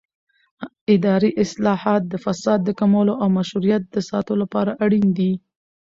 اداري اصلاحات د فساد د کمولو او مشروعیت د ساتلو لپاره اړین دي